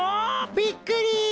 びっくり！